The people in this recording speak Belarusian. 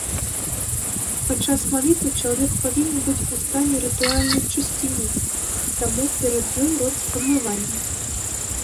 Падчас малітвы чалавек павінен быць у стане рытуальнай чысціні, таму перад ёй робіць абмыванне.